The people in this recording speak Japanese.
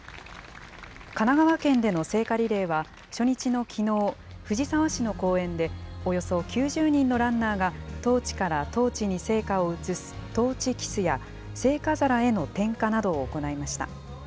神奈川県での聖火リレーは、初日のきのう、藤沢市の公園で、およそ９０人のランナーが、トーチからトーチに聖火を移すトーチキスや、聖火皿への点火などを行いました。